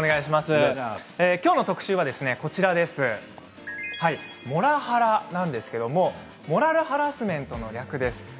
今日の特集はモラハラなんですけれどもモラルハラスメントの略です。